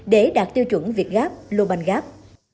việt gáp lô banh gáp